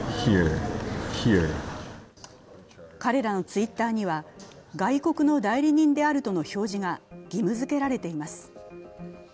彼らのＴｗｉｔｔｅｒには、外国の代理人であるとの表示が義務付けられています。